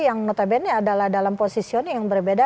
yang notabene adalah dalam posisioning yang berbeda